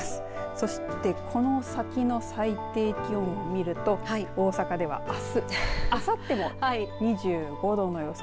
そして、この先の最低気温を見ると大阪ではあすあさっても２５度の予想